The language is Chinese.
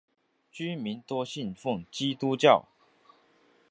居民多信奉基督教。